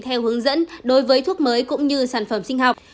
theo hướng dẫn đối với thuốc mới cũng như sản phẩm sinh học